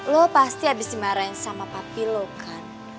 lu pasti abis dimarahin sama papi lu kan